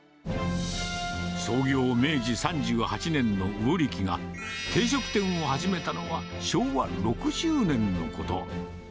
創業明治３８年の魚力が、定食店を始めたのは昭和６０年のこと。